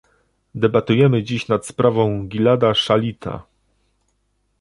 Debatujemy dziś nad sprawą Gilada Szalita